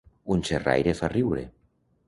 Un xerraire fa riure.